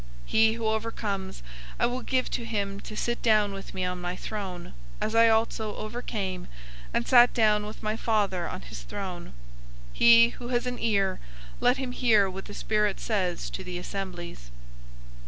003:021 He who overcomes, I will give to him to sit down with me on my throne, as I also overcame, and sat down with my Father on his throne. 003:022 He who has an ear, let him hear what the Spirit says to the assemblies."